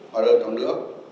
mà đơn thông nữa